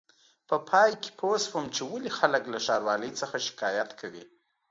په پای کې پوه شوم چې ولې خلک له ښاروالۍ څخه شکایت کوي.